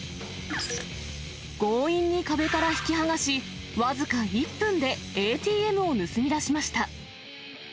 強引に壁から引きはがし、僅か１分でＡＴＭを盗み出しました。